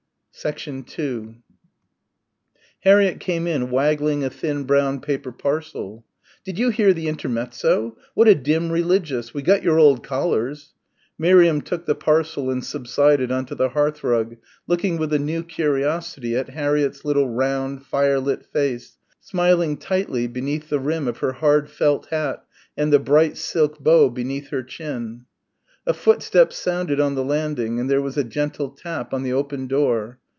2 Harriett came in waggling a thin brown paper parcel. "Did you hear the Intermezzo? What a dim religious! We got your old collars." Miriam took the parcel and subsided on to the hearthrug, looking with a new curiosity at Harriett's little, round, firelit face, smiling tightly between the rim of her hard felt hat and the bright silk bow beneath her chin. A footstep sounded on the landing and there was a gentle tap on the open door.